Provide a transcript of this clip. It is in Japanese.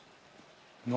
何？